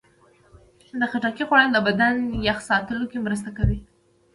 د خټکي خوړل د بدن یخ ساتلو کې مرسته کوي.